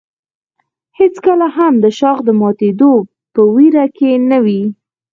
هېڅکله هم د شاخ د ماتېدو په ویره کې نه وي.